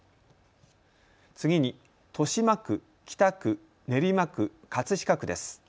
次に豊島区、北区、練馬区、葛飾区です。